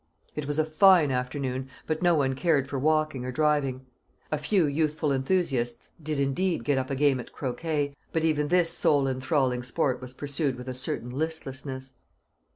It was a fine afternoon, but no one cared for walking or driving. A few youthful enthusiasts did indeed get up a game at croquet, but even this soul enthralling sport was pursued with a certain listlessness.